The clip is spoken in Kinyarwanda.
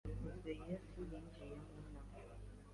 Hakuzweyezu yinjiye mu itara.